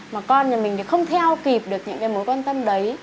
mà con nhà mình không theo kịp được những mối quan tâm đấy